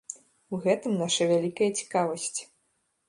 У гэтым наша вялікая цікавасць.